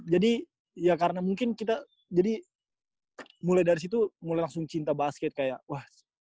jadi ya karena mungkin kita jadi mulai dari situ mulai langsung cinta basket kayak wah